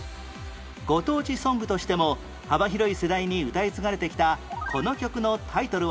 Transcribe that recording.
ご当地ソングとしても幅広い世代に歌い継がれてきたこの曲のタイトルは？